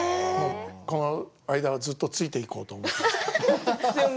この間はずっとついていこうと思って。